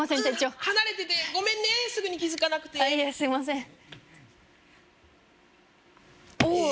店長離れててごめんねすぐに気づかなくていえすいませんおお！